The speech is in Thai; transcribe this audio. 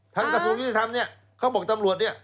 ทั้งกระทรวงกิจธรรมนี้เขาบอกตำรวจ